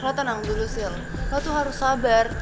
lo tenang dulu sih lo tuh harus sabar